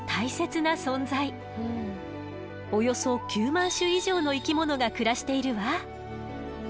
およそ９万種以上の生き物が暮らしているわ。